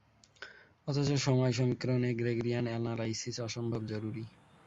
অথচ সময় সমীকরণে গ্রেগরিয়ান এ্যানালাইসিস অসম্ভব জরুরি।